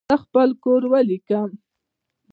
زه خپل کور ولیکم.